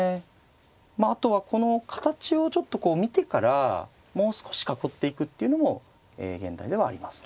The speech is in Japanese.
まああとはこの形をちょっとこう見てからもう少し囲っていくっていうのも現代ではありますね。